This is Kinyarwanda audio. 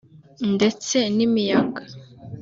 ndetse n’imiyaga